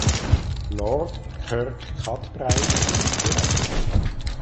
Lord Kirkcudbright geheiratet.